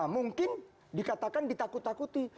mungkin dikatakan ditakut takuti